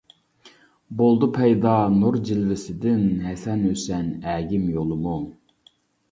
بولدى پەيدا نۇر جىلۋىسىدىن، ھەسەن-ھۈسەن ئەگىم يولىمۇ.